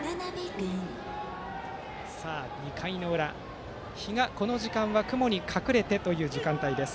２回の裏、日がこの時間は雲に隠れてという時間帯です。